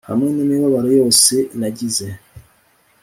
hamwe n'imibabaro yose nagize.